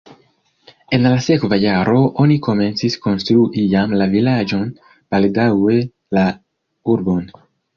En la sekva jaro oni komencis konstrui jam la vilaĝon, baldaŭe la urbon.